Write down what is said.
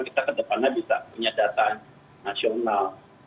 kita ke depannya bisa punya data nasional